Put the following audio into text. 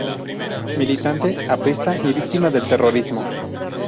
Militante aprista y víctima del terrorismo.